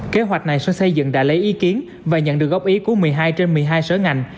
kế hoạch này sở xây dựng đã lấy ý kiến và nhận được góp ý của một mươi hai trên một mươi hai sở ngành